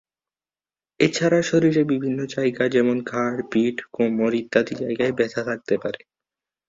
এছাড়া শরীরে বিভিন্ন জায়গা যেমন ঘাড়, পিঠ, কোমর ইত্যাদি জায়গায় ব্যথা থাকতে পারে।